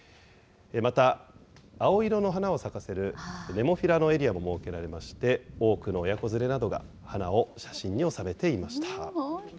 また、青色の花を咲かせるネモフィラのエリアも設けられまして、多くの親子連れなどが花を写真に収めていました。